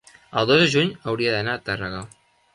el dos de juny hauria d'anar a Tàrrega.